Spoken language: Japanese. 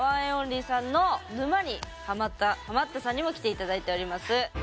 ’ＯＮＬＹさんの沼にハマったハマったさんにも来て頂いております。